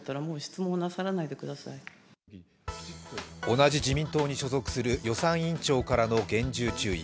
同じ自民党に所属する予算委員長からの厳重注意。